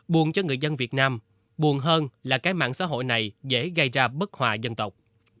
buồn cho người dân việt nam buồn hơn là cái mạng xã hội này dễ gây ra bức hòa dân tộc